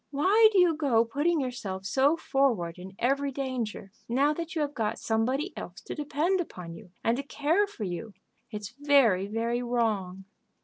Why do you go putting yourself so forward in every danger, now that you have got somebody else to depend upon you and to care for you? It's very, very wrong."